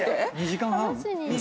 ２時間半？